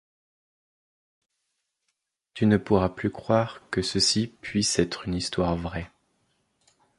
tu ne pourras plus croire que ceci puisse être une histoire vraie.